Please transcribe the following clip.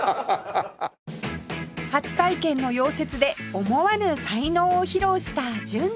初体験の溶接で思わぬ才能を披露した純ちゃん